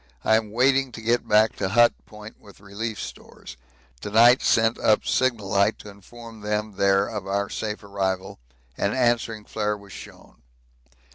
I am waiting to get back to Hut Point with relief stores. To night sent up signal light to inform them there of our safe arrival an answering flare was shown.